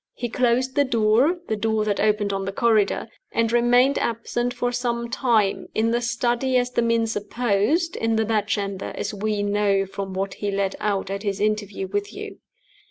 He closed the door (the door that opened on the corridor), and remained absent for some time in the study as the men supposed; in the bedchamber as we know from what he let out at his interview with you.